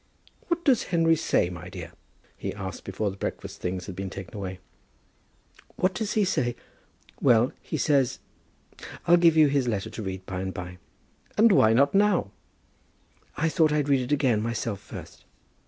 "What does Henry say, my dear?" he asked, before the breakfast things had been taken away. "What does he say? Well; he says . I'll give you his letter to read by and by." "And why not now?" "I thought I'd read it again myself, first."